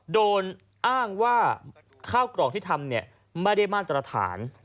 โดนอ้างว่าข้าวกรองที่ทำเนี่ยไม่ได้มั่นตรฐาน